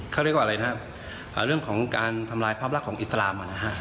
เขาเรียกว่าอะไรนะครับเรื่องของการทำลายภาพลักษณ์ของอิสลามนะฮะ